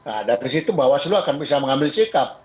nah dari situ bawaslu akan bisa mengambil sikap